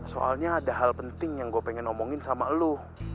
soalnya ada hal penting yang gue pengen ngomongin sama lo